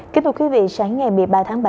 kính thưa quý vị sáng ngày một mươi ba tháng ba